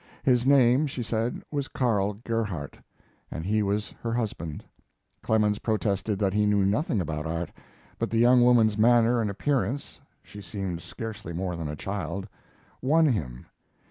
His name, she said, was Karl Gerhardt, and he was her husband. Clemens protested that he knew nothing about art, but the young woman's manner and appearance (she seemed scarcely more than a child) won him.